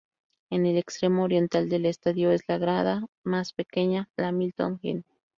En el extremo oriental del estadio es la grada más pequeña, la Milton End.